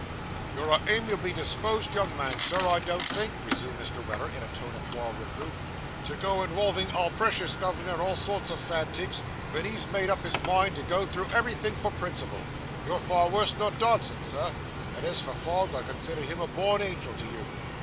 'You're a amiably disposed young man, Sir, I don't think,' resumed Mr. Weller, in a tone of moral reproof, 'to go inwolving our precious governor in all sorts o' fanteegs, wen he's made up his mind to go through everythink for principle. You're far worse nor Dodson, Sir; and as for Fogg, I consider him a born angel to you!